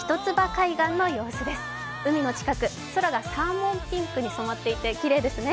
海の近く、空がサーモンピンクに染まっていてきれいですね。